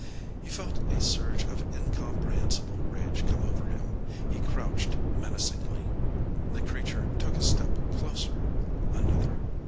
He felt a surge of incomprehensible rage come over him he crouched menacingly. The creature took a step closer. Another.